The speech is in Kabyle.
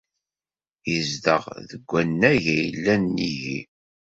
Yezdeɣ deg wannag ay yellan nnig-i.